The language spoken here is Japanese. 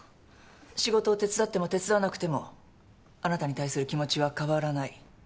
仕事を手伝っても手伝わなくてもあなたに対する気持ちは変わらない。